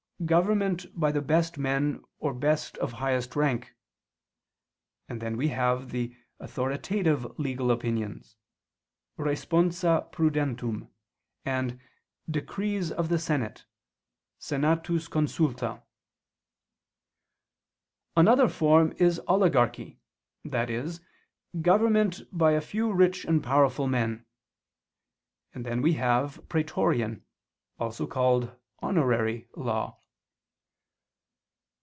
government by the best men or men of highest rank; and then we have the Authoritative legal opinions (Responsa Prudentum) and Decrees of the Senate (Senatus consulta). Another form is oligarchy, i.e. government by a few rich and powerful men; and then we have Praetorian, also called Honorary, law.